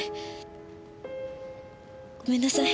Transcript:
ごめんなさい。